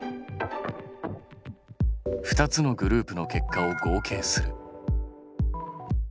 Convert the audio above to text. ２つのグループの結果を合計する。